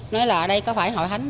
nói là ở đây có phải hội hánh